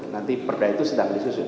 nanti perda itu sedang disusun